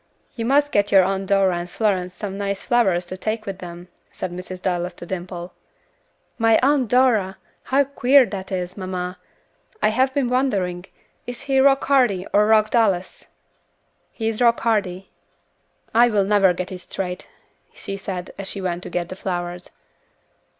"You must get your Aunt Dora and Florence some nice flowers to take with them," said Mrs. Dallas to Dimple. "My Aunt Dora! How queer that is, mamma. I have been wondering, is he Rock Hardy or Rock Dallas?" "He is Rock Hardy." "I never will get it straight," she said, as she went to get the flowers.